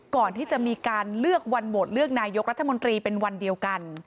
ก่อนที่จะมีการเลือกวันโหวตเลือกนายกรัฐมนตรีเป็นวันเดียวกัน